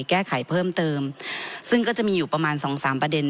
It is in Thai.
แก้ไขเพิ่มเติมซึ่งก็จะมีอยู่ประมาณสองสามประเด็น